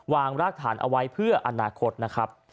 รากฐานเอาไว้เพื่ออนาคตนะครับ